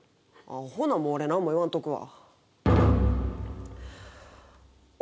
ほなもう俺なんも言わんとくわ。